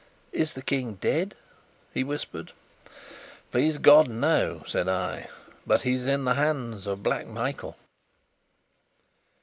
"Is the King dead?" he whispered. "Please God, no," said I. "But he's in the hands of Black Michael!"